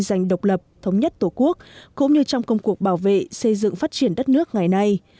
dành độc lập thống nhất tổ quốc cũng như trong công cuộc bảo vệ xây dựng phát triển đất nước ngày nay